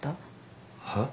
はっ？